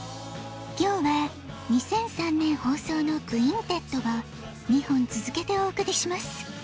今日は２００３年ほうそうの「クインテット」を２本つづけておおくりします。